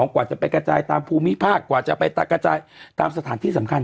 กว่าจะไปกระจายตามภูมิภาคกว่าจะไปกระจายตามสถานที่สำคัญ